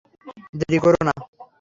দেরি করো না।